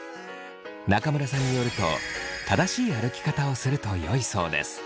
中村さんによると正しい歩き方をするとよいそうです。